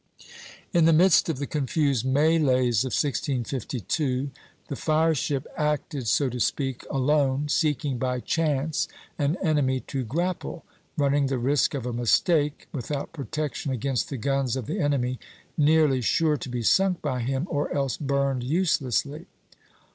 " In the midst of the confused mêlées of 1652 the fire ship "acted, so to speak, alone, seeking by chance an enemy to grapple, running the risk of a mistake, without protection against the guns of the enemy, nearly sure to be sunk by him or else burned uselessly.